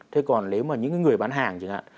thế còn nếu mà những người bán hàng